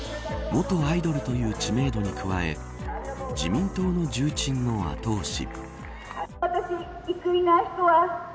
元アイドルという知名度に加え自民党の重鎮の後押し。